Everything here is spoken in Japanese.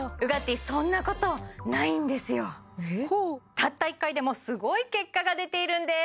たった１回でもすごい結果が出ているんです